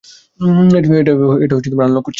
এটা আনলক করছি।